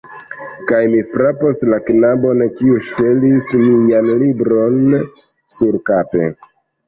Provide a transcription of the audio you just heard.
Kaj mi frapos la knabon kiu ŝtelis mian libron surkape